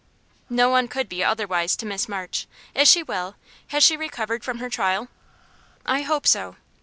"No one could be otherwise to Miss March. Is she well? Has she recovered from her trial?" "I hope so.